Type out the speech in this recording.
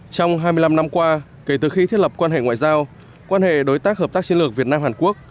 trong hai mươi năm năm qua kể từ khi thiết lập quan hệ ngoại giao quan hệ đối tác hợp tác chiến lược việt nam hàn quốc